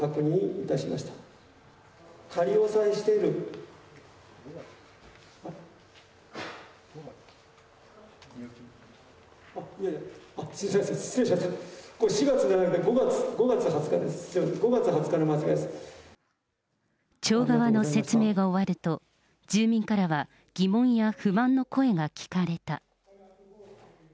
すみません、町側の説明が終わると、住民からは、疑問や不満の声が聞かれた。